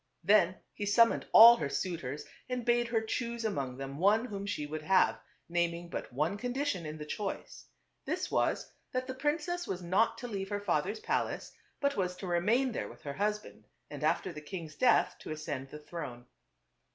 Then he summoned all her suitors and bade her choose among them one whom she would have; naming but one condition in the choice. This was, that the princess was not to leave her father's palace ; but was to remain there with her husband, and after the king's death to ascend the throne.